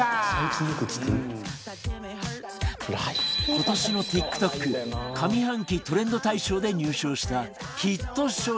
今年の ＴｉｋＴｏｋ 上半期トレンド大賞で入賞したヒット商品